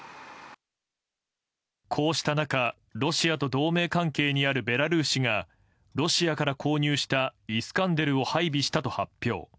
こうした中、ロシアと同盟関係にあるベラルーシがロシアから購入したイスカンデルを配備したと発表。